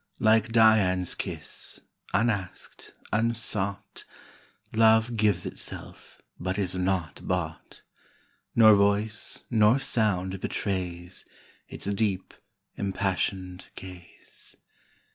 Like Dian's kiss, unasked, unsought, Love gives itself, but is not bought ; 15 Nor voice, nor sound betrays Its deep, impassioned ga/e.